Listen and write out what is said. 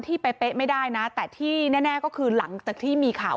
เป๊ะไม่ได้นะแต่ที่แน่ก็คือหลังจากที่มีข่าว